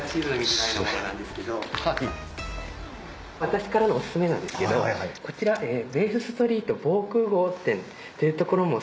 私からのお薦めなんですけどこちらベースストリート防空壕店という所も。